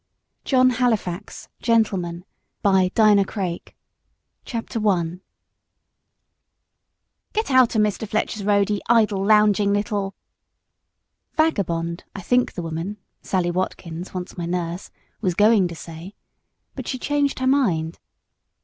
JOHN HALIFAX, GENTLEMAN by Dinah Maria Mulock (Mrs. Craik) CHAPTER I "Get out o' Mr. Fletcher's road, ye idle, lounging, little " "Vagabond," I think the woman (Sally Watkins, once my nurse), was going to say, but she changed her mind.